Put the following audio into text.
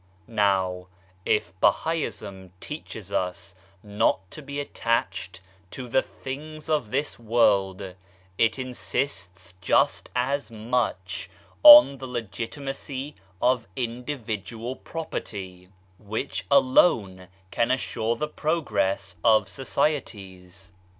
Now, if Bahaism teaches us not to be attached to the things of this world, it insists just as much on the legitimacy of individual property, which alone can assure the progress of societies.